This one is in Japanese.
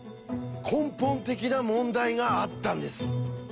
根本的な問題があったんです。